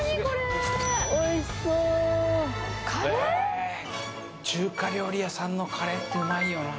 へえ中華料理屋さんのカレーってうまいよな